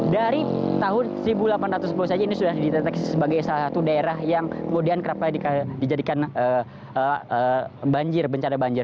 dari tahun seribu delapan ratus sepuluh saja ini sudah dideteksi sebagai salah satu daerah yang kemudian kerap kali dijadikan banjir bencana banjir